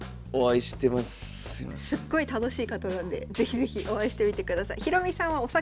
すっごい楽しい方なんで是非是非お会いしてみてください。